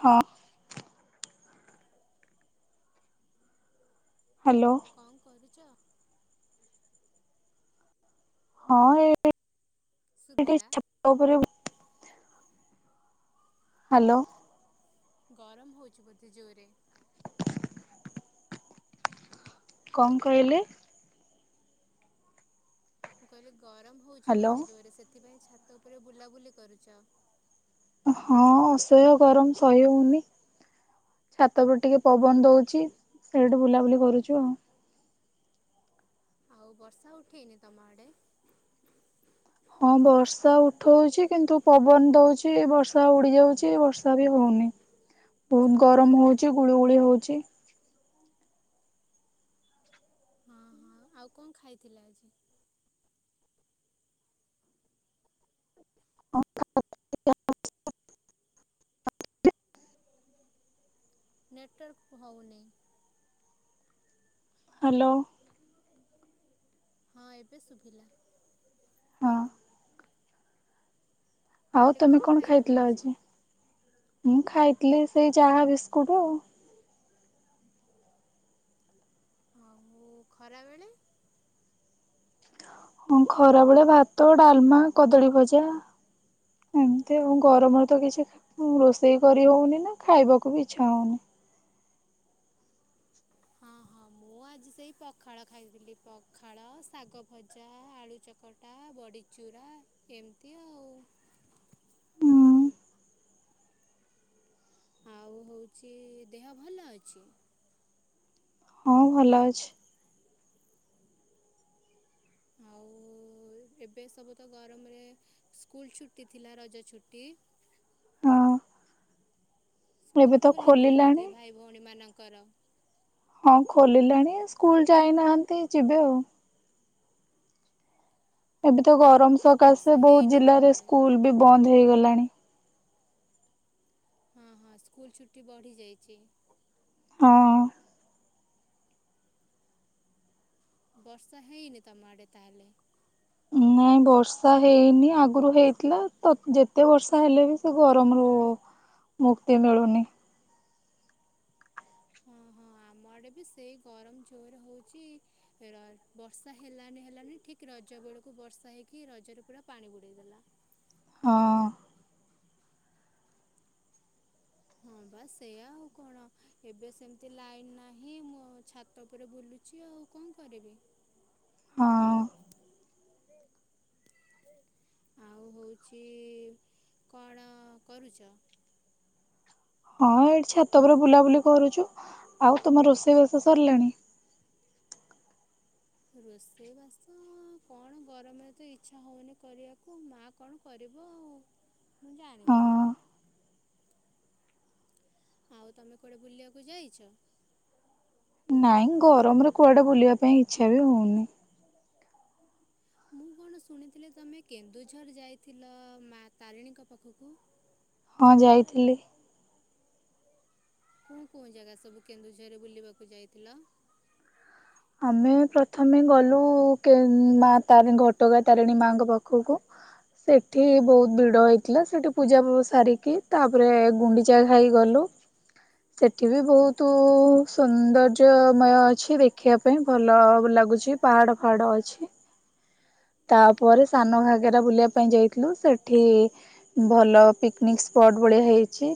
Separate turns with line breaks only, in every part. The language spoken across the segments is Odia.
ହଁ। ହ୍ୟାଲୋ।
କଣ କରୁଚ?
ହଁ ଏଇ ଏ ଟିକେ
ଶୁଭିଲା
ଛାତ ଉପରେ ହ୍ୟାଲୋ।
ଗରମ ହଉଛି ବୋଧେ ଜୋରରେ?
କଣ କହିଲେ?
ମୁଁ କହିଲି ଗରମ ହଉଚି
ହ୍ୟାଲୋ
ବୋଧେ ଜୋରରେ, ସେଥିପାଇଁ ଛାତ ଉପରେ ବୁଲାବୁଲି କରୁଚ?
ହଁ, ଅସହ୍ୟ ଗରମ ସହି ହଉନି। ଛାତ ଉପରେ ଟିକେ ପବନ ଦଉଚି, ସେଇଠୁ ବୁଲାବୁଲି କରୁଚୁ ଆଉ।
ଆଉ ବର୍ଷା ଉଠେଇନି ତମ ଆଡେ?
ହଁ ବର୍ଷା ଉଠଉଚି କିନ୍ତୁ ପବନ ଦଉଚି ବର୍ଷା ଉଡି ଯାଉଚି, ବର୍ଷା ବି ହଉନି। ବହୁତ ଗରମ ହଉଚି ଗୁଳୁ ଗୁଳି ହଉଚି।
ହଁ ହଁ। ଆଉ କଣ ଖାଇଥିଲେ ଆଜି? ନେଟୱାର୍କ ହଉ ନାଇଁ।
ହାଲୋ।
ହଁ ଏବେ ଶୁଭିଲା।
ହଁ। ଆଉ ତମେ କଣ ଖାଇଥିଲ ଆଜି?
ଆଉ ଖରାବେଳେ?
ହଁ ଖରା ବେଳେ ଭାତ, ଡାଲମା, କଦଳୀ ଭଜା। ଏମତି ଆଉ, ଗରମରୁ ତ କିଛି ଖା ହୁଁ ରୋଷେଇ କରି ହଉନି ନା, ଖାଇବାକୁ ବି ଇଛା ହଉନି।
ହଁ ହଁ ମୁଁ ଆଜି ସେଇ ପଖାଳ ଖାଇଥିଲି, ପଖାଳ, ଶାଗ ଭଜା, ଆଳୁ ଚକ୍ କଟା ବଡ଼ିଚୁରା ଏମିତି ଆଉ।
ହୁଁ
ଆଉ ହଉଚି ଦେହ ଭଲ ଅଛି?
ହଁ ଭଲ ଅଛି।
ଆଉ ଏବେ ସବୁ ତ ଗରମରେ, ସ୍କୁଲ ଛୁଟି ଥିଲା ରଜ ଛୁଟି?
ହଁ ଏବେ
ସ୍କୁଲ
ତ
ଖୋଲିବଣି
ଖୋଲିଲାଣି।
ବୋଧେ ଭାଇ ଭଉଣୀମାନଙ୍କର?
ହଁ ଖୋଲିଲାଣି, ସ୍କୁଲ ଯାଇନାହାନ୍ତି ଯିବେ ଆଉ। ଏବେ
ହଁ
ତ
ହଁ
ଗରମ
ଆଉ
ସକାଶେ
ବର୍ଷା
ବହୁତ
ହେଇନି ତମ
ଜିଲ୍ଲାରେ
ଆଡ଼େ
ସ୍କୁଲ ବି ବନ୍ଦ ହେଇଗଲାଣି।
ହଁ ହଁ, ସ୍କୁୁଲ ଛୁଟି ବଢ଼ିଯାଇଛି।
ହଁ।
ବର୍ଷା ହେଇନି ତମ ଆଡ଼େ ତାହେଲେ।
ନାଇଁ ବର୍ଷା ହେଇନି, ଆଗରୁ ହେଇଥିଲା, ତ ଯେତେ ବର୍ଷା ହେଲେ ବି ସେ ଗରମ ର ମୁକ୍ତି ମିଳୁନି।
ହଁ ହଁ ଆମଆଡ଼େ ବି ସେଇ ଗରମ ଜୋରେ ହଉଚି। ର ବର୍ଷା ହେଲାନି ହେଲାନି, ଠିକ୍ ରଜ ବେଳକୁ ବର୍ଷା ହେଇକି, ରଜରେ ପୁରା ପାଣି ବୁଡେଇ ଦେଲା।
ହଁ।
ହଁ ପା ସେଇୟା ଆଉ କଣ? ଏବେ ସେମିତି ଲାଇନ ନାହିଁ, ମୁଁ ଛାତ ଉପରେ ବୁଲୁଚି ଆଉ କଣ କରିବି?
ହଁ।
ଆଉ ହଉଚି କଣ କରୁଚ?
ହଁ ଏଇଠି ଛାତ ଉପରେ ବୁଲାବୁଲି କରୁଚୁ, ଆଉ ତମ ରୋଷେଇ ବାସ ସରିଲାଣି?
ରୋଷେଇବାସ, କଣ ଗରମରେ ତ ଇଛା ହଉନି କରିବାକୁ, ମାଆ କଣ କରିବ ଆଉ, ମୁଁ ଜାଣିନି।
ହଁ
ଆଉ ତମେ କୁଆଡେ ବୁଲିବାକୁ ଯାଇଚ?
ନାଇଁ ଗରମରେ କୁଆଡେ ବୁଲିବା ପାଇଁ ଇଛା ବି ହଉନି।
ଆପଣ ଶୁଣିଥିଲେ, ତମେ କେନ୍ଦୁଝର ଯାଇଥିଲ ମା ତାରିଣୀଙ୍କ ପାଖକୁ?
ହଁ ଯାଇଥିଲି।
କଉ କଉ ଜାଗା ସବୁ କେନ୍ଦୁଝରରେ ବୁଲିବାକୁ ଯାଇଥିଲ?
ଆମେ ପ୍ରଥମେ ଗଲୁ କେଉଁ ମା ତାର ଘଟଗା ତାରିଣୀ ମାଙ୍କ ପାଖକୁ। ସେଠି ବହୁତ ଭିଡ ହେଇଥିଲା ସେଠି ପୂଜା ଫୁଜା ସାରିକି, ତାପରେ ଗୁଣ୍ଡି ଚା ଖାଇ ଗଲୁ। ସେଠି ବି ବହୁତ ସୌନ୍ଦର୍ଯ୍ୟମୟ ଅଛି ଦେଖ ଦେଖିବା ପାଇଁ ଭଲ ଲାଗୁଛି ପାହାଡ଼ ଫାହାଡ଼ ଅଛି। ତାପରେ ସାନ ଘାଗେରା ବୁଲିବା ପାଇଁ ଯାଇଥିଲୁ। ସେଠି ଭଲ ପିକ୍ନିକ୍ ସ୍ପଟ ଭଳିଆ ହେଇଛି।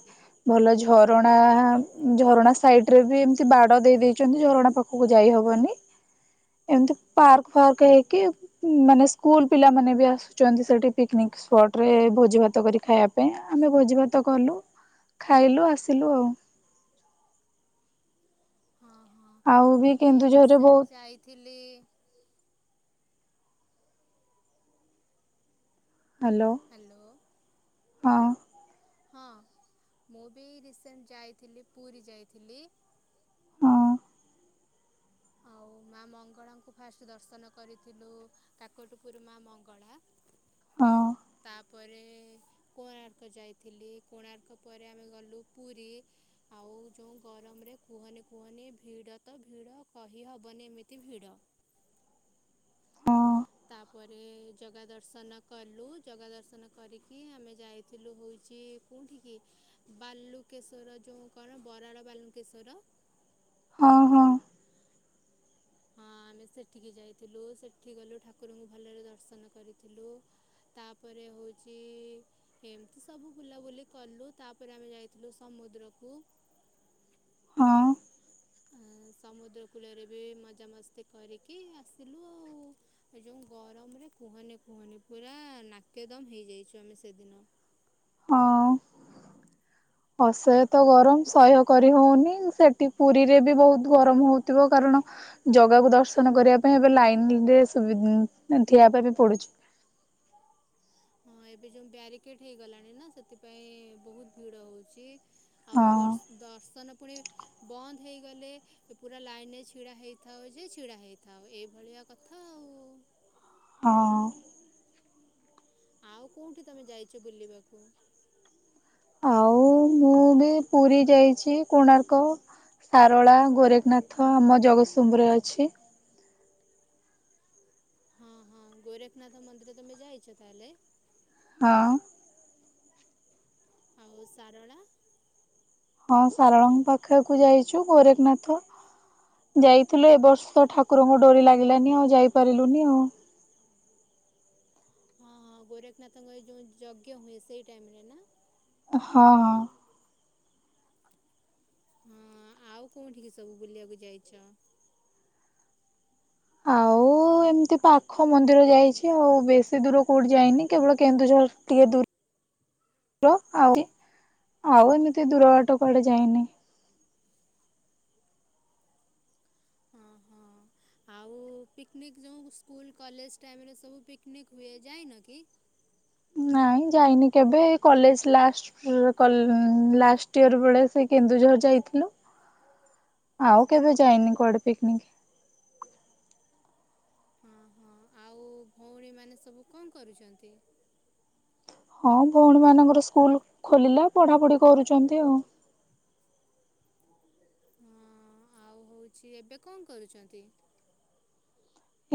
ଭଲ ଝରଣା, ଝରଣା ସାଇଡ ରେ ବି ଏମିତି ବାଡ ଦେଇ ଦେଇଚନ୍ତି। ଝରଣା ପାଖ ପାଖକୁ ଯାଇ ହବନି। ଏମିତି ପାର୍କ ଫାର୍କ ହେଇକି ମାନେ ସ୍କୁଲ ପିଲାମାନେ ବି ଆସୁଛନ୍ତି ସେଠି ପିକ୍ନିକ ସ୍ପଟ ରେ ଭୋଜି ଭାତ କରି ଖାଇବା ପାଇଁ, ଆମେ ଭୋଜି ଭାତ କଲୁ ଖାଇଲୁ ଆସିଲୁ ଆଉ।
ହଁ ହଁ,
ଆଉ
ମୁଁ ବି
କେନ୍ଦୁଝରରେ ବହୁତ
ରିସେଣ୍ଟ ଯାଇଥିଲି
ହ୍ୟାଲୋ।
ହ୍ୟାଲୋ।
ହଁ।
ହଁ, ମୁଁ ବି ରିସେଣ୍ଟ ଯାଇଥିଲି, ପୁରୀ ଯାଇଥିଲି।
ହଁ।
ଆଉ ମା ମଙ୍ଗଳାଙ୍କୁ ଫାଷ୍ଟ ଦର୍ଶନ କରିଥିଲୁ। କାକଟପୂରୁମା ମଙ୍ଗଳା।
ହଁ
ତାପରେ କୋଣାର୍କ ଯାଇଥିଲି। କୋଣାର୍କ ପରେ ଆମେ ଗଲୁ ପୁରୀ। ଆଉ ଯେଉଁ ଗରମରେ କୁହନି କୁହନି ଭିଡ଼ ତ ଭିଡ଼ କହିହବନି ଏମିତି ଭିଡ଼।
ହଁ
ତାପରେ ଯଗା ଦର୍ଶନ କଲୁ। ଯଗା ଦର୍ଶନ କରିକି ଆମେ ଯାଇଥିଲୁ ହଉଚି କଉଠିକି ବାଲୁକେଶ୍ୱର ଯେଉଁ କଣ ବରାଳ ବାଲୁକେଶ୍ୱର
ଓ ହୋ।
ହଁ, ଆମେ ସେଠିକି ଯାଇଥିଲୁ। ସେଠି ଗଲୁ ଠାକୁରଙ୍କୁ ଭଲରେ ଦର୍ଶନ କରିଥିଲୁ। ତାପରେ ହଉଚି ଏମତି ସବୁ ବୁଲାବୁଲି କଲୁ। ତାପରେ ଆମେ ଯାଇଥିଲୁ ସମୁଦ୍ରକୁ।
ହଁ।
ସମୁଦ୍ର କୂଳରେ ବି ମଜାମସ୍ତି କରିକି ଆସିଲୁ ଆଉ। ଏ ଯେଉଁ ଗରମରେ କୁହନି କୁହନି ପୁରା ନାକେଦମ ହେଇଯାଇଚୁ ଆମେ ସେଦିନ।
ହଁ। ଅସ୍ହ୍ୟ ତ ଗରମ ସହ୍ୟ କରି ହଉନି। ସେଠି ପୁରୀରେ ବି ବହୁତ ଗରମ ହଉଥିବ। କାରଣ ଜଗାକୁ ଦର୍ଶନ କରିବା ପାଇଁ ଏବେ ଲାଇନରେ ସୁବି ଠିଆ ହବା ପାଇଁ ବି ପଡୁଛି।
ହଁ, ଏବେ ଯୋଉ ବ୍ୟାରିକେଟ ହେଇଗଲାଣି ନା ସେଥିପାଇଁ ବହୁତ ଭିଡ ହଉଛି। ଆଉ
ହଁ
ବର୍ ଦର୍ଶନ ପୁଣି ବନ୍ଦ ହେଇଗଲେ ପୁରା ଲାଇନରେ ଛିଡ଼ା ହେଇଥାଉ ଯେ ଛିଡ଼ା ହେଇଥାଅ। ଏଇଭଳିଆ କଥା ଆଉ।
ହଁ।
ଆଉ କୋଉଠି ତମେ ଯାଇଛ ବୁଲିବାକୁ?
ଆଉ ମୁଁ ପୁରୀ ଯାଇଛି। କୋଣାର୍କ ସାରଳା, ଗୋରେଖନାଥ ଆମ ଜଗତସିଂହରେ ଅଛି।
ହଁ, ହଁ, ଗୋରଖନାଥ ମନ୍ଦିର ତମେ ଯାଇଛ ତାହେଲେ?
ହଁ।
ଆଉ ସାରଳା।
ହଁ ସାରଳାଙ୍କ ପାଖକୁ ଯାଇଚୁ ଗୋରେଖନାଥ। ଯାଇଥିଲୁ ଏ ବର୍ଷ ଠାକୁ ରଙ୍କ ଡୋରି ଲାଗିଲାନି ଆଉ ଯାଇପାରିଲୁନି ଆଉ।
ହଁ ହଁ ଗୋରଖନାଥଙ୍କ ଯୋଉ ଯଜ୍ଞ ହୁଏ ସେଇ ଟାଇମ୍ ରେ ନା।
ହିଁ ହିଁ।
ହଁ ଆଉ କୋଉଠିକି ସବୁ ବୁଲିବାକୁ ଯାଇଚ?
ଆଉ ମୁଁ ଏମିତି ପାଖ ମନ୍ଦିର ଯାଇଚି ଆଉ ବେଶୀ ଦୂର କୋଉଠି ଯାଇନି କେବଳ କେନ୍ଦୁଝର ଟିକେ ଦୂ ର ଆଉ ଆଉ ଏମିତି ଦୂର ବାଟୋ କୁଆଡ଼େ ଯାଇନି।
ହଁ ହଁ। ଆଉ ପିକନିକ୍ ଯେଉଁ ସ୍କୁଲ କଲେଜ ଟାଇମରେ ସବୁ ପିକନିକ୍ ହୁଏ ଯାଇନ କି?
ନାଇଁ ଯାଇନି କେବେ ଏଇ କଲେଜ ଲାଷ୍ଟ। [unintelligible] ଲାଷ୍ଟ ଇୟର ବେଳେ ସେ କେନ୍ଦୁଝର ଯାଇଥିଲୁ। ଆଉ କେବେ ଯାଇନି କୁଆଡ଼େ ପିକନିକ୍।
ହଁ ହଁ ଆଉ ଭଉଣୀ ମାନେ ସବୁ କଣ କରୁଚନ୍ତି?
ହଁ ଭଉଣୀ ମାନଙ୍କର ସ୍କୁଲ ଖୋଲିଲା ପଢ଼ାପଢି଼ କରୁଚନ୍ତି ଆଉ।
ହଁ ଆଉ ହଉଛି ଏବେ କଣ କରୁଚନ୍ତି?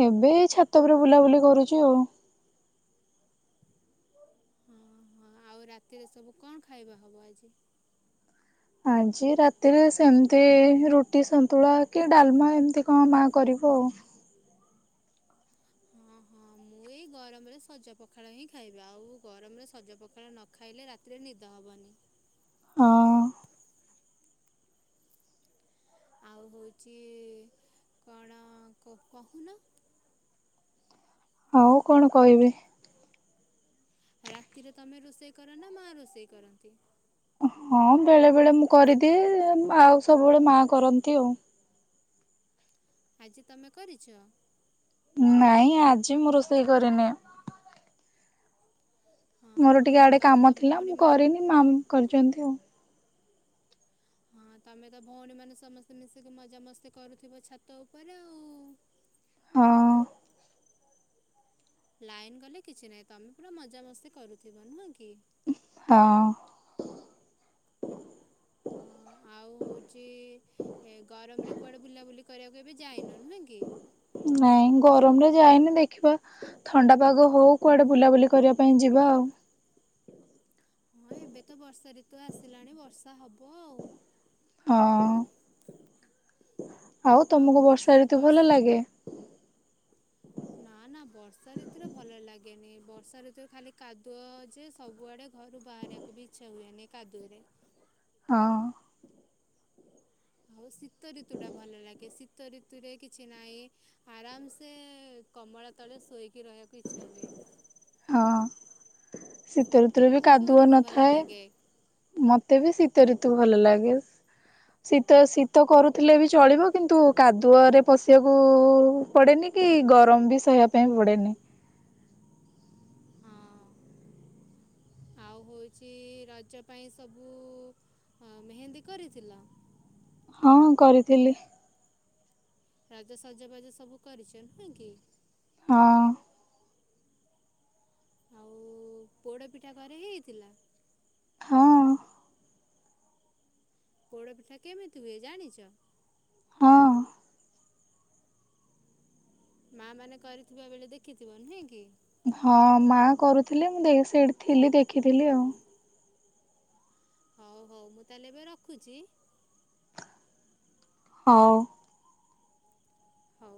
ଏବେ ଛାତ ଉପରେ ବୁଲା ବୁଲି କରୁଚି ଆଉ।
ହଁ ହଁ ଆଉ ରାତିରେ ସବୁ କଣ ଖାଇବା ହବ ଆଜି?
ଆଜି ରାତିରେ ସେମିତି ରୁଟି ସନ୍ତୁଳା କି ଡାଲମା ଏମିତି କଣ ମା କରିବ ଆଉ।
ହଁ ହଁ ମୁଁ ଏଇ ଗରମରେ ସଜ ପଖାଳ ହିଁ ଖାଇବି ଆଉ ଗରମରେ ସଜ ପଖାଳ ନ ଖାଇଲେ ରାତିରେ ନିଦ ହବନି।
ହଁ।
ଆଉ ହେଉଚି କଣ କ କହୁନ।
ଆଉ କଣ କହିବେ?
ରାତିରେ ତମେ ରୋଷେଇ କର ନା ମା ରୋଷେଇ କରନ୍ତି?
ହଁ ବେଳେ ବେଳେ ମୁଁ କରିଦିଏ ଆଉ ସବୁ ବେଳେ ମା କରନ୍ତି ଆଉ।
ଆଜି ତମେ କରିଚ?
ନାଇଁ ଆଜି ମୁଁ ରୋଷେଇ କରିନି।
ହଁ
ମୋର ଟିକେ
ହଁ
ଆଡ଼େ
ତମେ ତ
କାମ ଥିଲା ମୁଁ
ଭଉଣୀମାନେ
କରିନି ମା କରିଚନ୍ତି ଆଉ।
ହଁ ତମେ ତ ଭଉଣୀ ମାନେ ସମସ୍ତେ ମିଶିକି ମଜାମସ୍ତି କରୁଥିବ ଛାତ ଉପରେ ଆଉ।
ହଁ।
ଲାଇନ୍ ଗଲେ କିଛି ନାହିଁ ତମେ ପୁରା ମଜାମସ୍ତି କରୁଥିବ ନୁହଁ କି।
ହଁ।
ହଁ ଆଉ ହଉଚି ଏ ଗରମରେ କୁଆଡ଼େ ବୁଲା ବୁଲି କରିବାକୁ ଏବେ ଯାଇନ ନୁହ କି?
ନାଇଁ ଗରମରେ ଯାଇନି ଦେଖିବା। ଥଣ୍ଡା ପାଗ ହଉ କୁଆଡ଼େ ବୁଲା ବୁଲି କରିବା ପାଇଁ ଯିବା ଆଉ।
ହଁ ଏବେ ତ ବର୍ଷା ଋତୁ ଆସିଲାଣି ବର୍ଷା ହବ ଆଉ।
ହଁ। ଆଉ ତମକୁ ବର୍ଷା
ହଉଛି
ଋତୁ
ବର୍ଷ
ଭଲ ଲାଗେ?
ନା ନା ବର୍ଷା ଋତୁରେ ଭଲ ଲାଗେନି ବର୍ଷା ଋତୁରେ ଖାଲି କାଦୁଅ ଯେ ସବୁଆଡ଼େ। ଘରୁ ବାହାରିବାକୁ ବି ଇଚ୍ଛା ହୁଏନି ଏ କାଦୁଅରେ।
ହଁ।
ଆଉ ଶୀତ ଋତୁ ଟା ଭଲ ଲାଗେ ଶୀତ ଋତୁରେ କିଛି ନାହିଁ। ଆରାମ୍ ସେ କମଳ ତଳେ ଶୋଇକି ରହିବାକୁ ଇଚ୍ଛା ହୁଏ।
ହଁ ଶୀତ ଋତୁରେ ବି
ତମକୁ କେଉଁ
କାଦୁଅ
ଋତୁ ଭଲ
ନଥାଏ।
ଲାଗେ
ମତେ ବି ଶୀତ ଋତୁ ଭଲ ଲାଗେ ଶୀତ ଶୀତ କରୁଥିଲେ ବି ଚଳିବ। କିନ୍ତୁ କାଦୁଅରେ ପଶିବାକୁ ପଡ଼େନି କି ଗରମ ବି ସହିବା ପାଇଁ ପଡ଼େନି।
ହଁ ଆଉ ହଉଛି ରଜ ପାଇଁ ସବୁ ହଁ ମେହେନ୍ଦୀ କରିଥିଲ?
ହଁ କରିଥିଲି।
ରଜସଜବାଜ ସବୁ କରିଛ ନୁହେଁ କି?
ହଁ।
ଆଉ ପୋଡ଼ପିଠା ଘରେ ହେଇଥିଲା।
ହଁ।
ପୋଡପିଠା କେମିତି ହୁଏ ଜାଣିଛ?
ହଁ।
ମା ମାନେ କରିଥିବା ବେଳେ ଦେଖିଥିବ ନୁହେଁ କି?
ହଁ ମା କରୁଥିଲେ ମୁଁ ସେଇଠି ଥିଲି ଦେଖିଥିଲି ଆଉ
ହଉ ହଉ ମୁଁ ତାହେଲେ ଏବେ ରଖୁଛି।
ହଁ।
ହଉ।